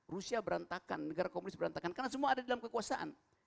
rusia berantakan negara komunis berantakan karena semua ada di dalam kekuasaan